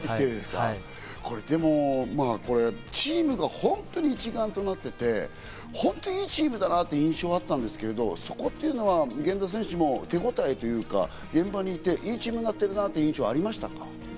これ、でも、チームが本当に一丸となっていて、本当に良いチームだなという印象だったんですけど、源田選手も手応えというか、現場にいて、いいチームになってるなという印象はありましたか？